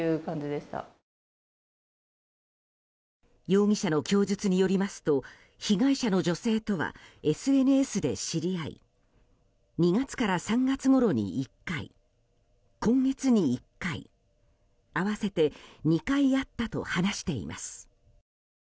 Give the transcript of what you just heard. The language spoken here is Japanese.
容疑者の供述によりますと被害者の女性とはＳＮＳで知り合い２月から３月ごろに１回今月に１回合わせて２回会ったと話しています。